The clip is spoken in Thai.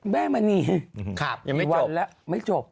แม่มันนี่มันทรงแล้ว